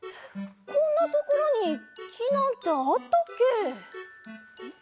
こんなところにきなんてあったっけ？